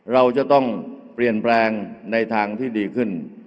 เราจะต้องเปลี่ยนแปลงในทางที่ดีขึ้น